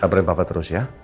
kabarin papa terus ya